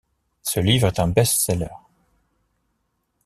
Ce livre est un best-seller.